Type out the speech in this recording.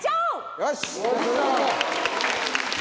よし！